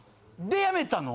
でやめたの？